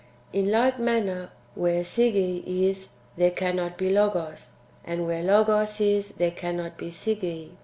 In like manner, where Sige is, there cannot be Logos ; and where Logos is, there certainly cannot be Sige.